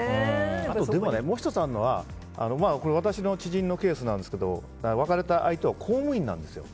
でも、もう１つあるのは私の知人のケースですが別れた相手は公務員なんですよ。